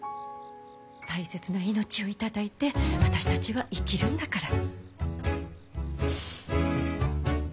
大切な命を頂いて私たちは生きるんだから。